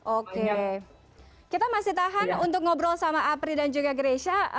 oke kita masih tahan untuk ngobrol sama apri dan juga grecia